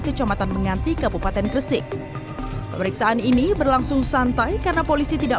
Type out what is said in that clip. kecamatan menganti kabupaten gresik pemeriksaan ini berlangsung santai karena polisi tidak